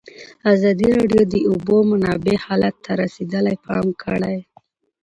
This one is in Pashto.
ازادي راډیو د د اوبو منابع حالت ته رسېدلي پام کړی.